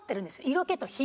色気と品。